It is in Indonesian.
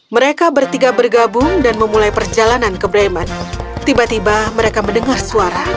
mereka bertiga bergabung dan memulai perjalanan ke bremen tiba tiba mereka mendengar suara